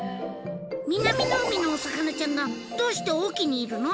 南の海のお魚ちゃんがどうして隠岐にいるの？